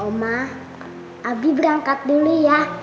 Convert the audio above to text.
oma abi berangkat dulu ya